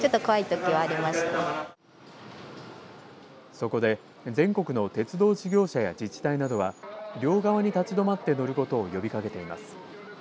そこで全国の鉄道事業者や自治体などは両側に立ちどまって乗ることを呼びかけています。